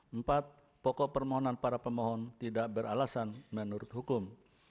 empat pokok permohonan para pemohon tidak beralasan menurut hukum